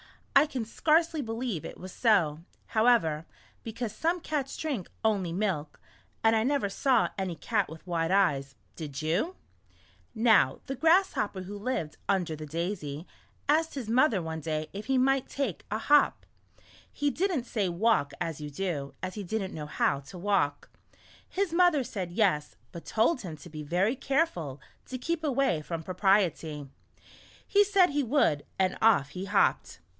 I can scarcely believe it was so, however, because some cats drink only milk, and I never saw any cat with white eyes, did you ? Now the Grasshopper W'ho lived under the daisy, asked his mother one day if he might take a hop." He didn't say walk as you do, as he did n't know how to walk. His mother said yes, but told him to be very careful to keep away from Propriety. He said he would, and off he hopped.